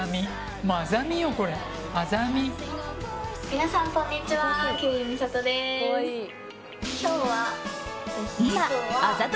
皆さん、こんにちは。